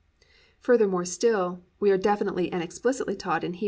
Furthermore still, we are definitely and explicitly taught in Heb.